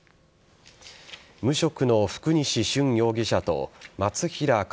無職の福西舜容疑者と松平茅